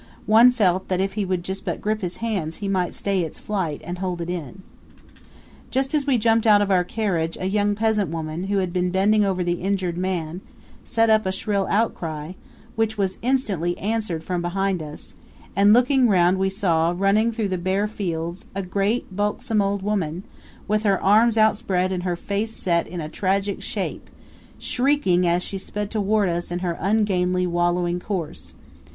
One felt that if he would but grip his hands he might stay its flight and hold it in. Just as we jumped out of our carriage a young peasant woman, who had been bending over the injured man, set up a shrill outcry, which was instantly answered from behind us; and looking round we saw, running through the bare fields, a great, bulksome old woman, with her arms outspread and her face set in a tragic shape, shrieking as she sped toward us in her ungainly wallowing course.